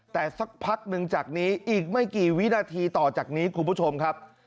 แต่สักพักหนึ่งจากนี้อีกไม่กี่วินาทีต่อจากนี้คุณผู้ชมครับ